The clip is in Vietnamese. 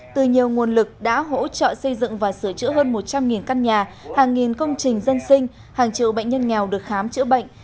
từ nhiều nguồn lực đã hỗ trợ xây dựng và sửa chữa hơn một trăm linh căn nhà hàng nghìn công trình dân sinh hàng triệu bệnh nhân nghèo được khám chữa bệnh